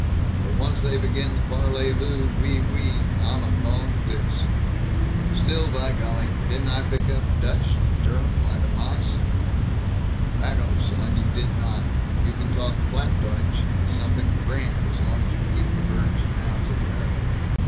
But once they begin the parlez vous, oui, oui, I'm a gone goose. Still, by golly, didn't I pick up Dutch German like a mice? Back off, son! You did not! You can talk Plattdeutsch something grand, as long as you keep the verbs and nouns in American.